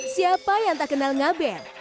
siapa yang tak kenal ngabe